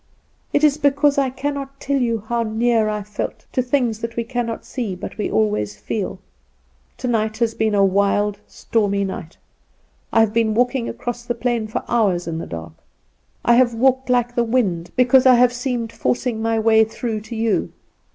It is because I cannot tell you how near I felt to things that we cannot see but we always feel. Tonight has been a wild, stormy night. I have been walking across the plain for hours in the dark. I have liked the wind, because I have seemed forcing my way through to you.